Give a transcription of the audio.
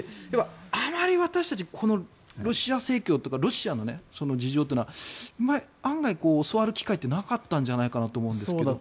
あまり私たちはこのロシア正教とかロシアの事情というのは案外、教わる機会ってなかったと思うんですけど。